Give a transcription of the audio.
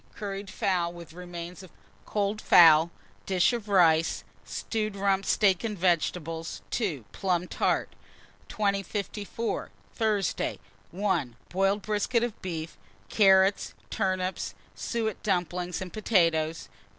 Curried fowl with remains of cold fowl; dish of rice, stewed rump steak and vegetables. 2. Plum tart. 2054. Thursday. 1. Boiled brisket of beef, carrots, turnips, suet dumplings, and potatoes.